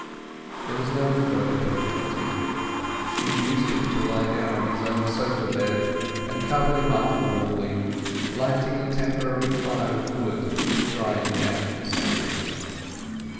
There was no further difficulty. She induced him to lie down on his own sofa bed, and covered him up warmly, lighting a temporary fire of wood, to dry any dampness out of him.